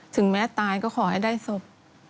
ถึงแม้ตายก็ขอให้ได้ศพ